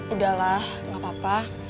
udahlah gak apa apa